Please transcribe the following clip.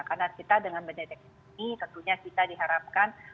karena kita dengan mendeteksi ini tentunya kita diharapkan